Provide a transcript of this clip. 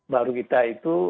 baru kita itu